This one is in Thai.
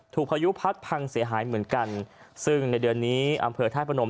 พายุพัดพังเสียหายเหมือนกันซึ่งในเดือนนี้อำเภอธาตุพนม